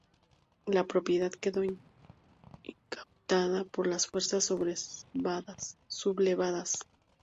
La propiedad quedó incautada por las fuerzas sublevadas.